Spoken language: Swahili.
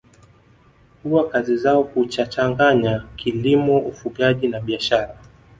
Huwa kazi zao huchachanganya kilimo ufugaji na biashara